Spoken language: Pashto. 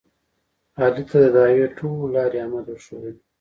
علي ته د دعوې ټولې لارې احمد ورښودلې.